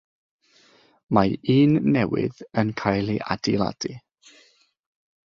Mae un newydd yn cael ei adeiladu.